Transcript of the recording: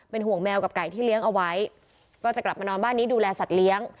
ห่วงแมวกับไก่ที่เลี้ยงเอาไว้ก็จะกลับมานอนบ้านนี้ดูแลสัตว์เลี้ยง